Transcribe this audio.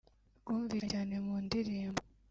rwumvikanye cyane mu ndirimbo